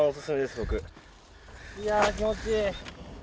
いやあ気持ちいい！